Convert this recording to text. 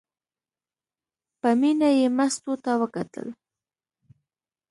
په مینه یې مستو ته وکتل.